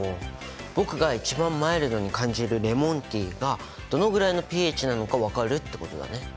僕が一番マイルドに感じるレモンティーがどのぐらいのｐＨなのか分かるってことだね。